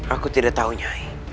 aku tidak tahu nyai